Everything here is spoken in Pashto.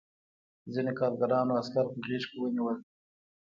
ځینو کارګرانو عسکر په غېږ کې ونیول